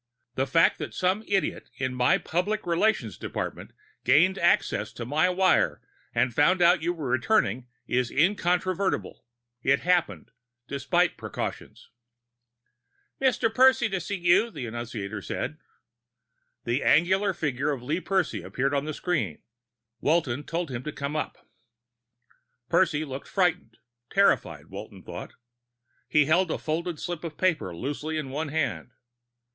The fact that some idiot in my public relations department gained access to my wire and found out you were returning is incontrovertible; it happened, despite precautions." "Mr. Percy to see you," the annunciator said. The angular figure of Lee Percy appeared on the screen. Walton told him to come in. Percy looked frightened terrified, Walton thought. He held a folded slip of paper loosely in one hand.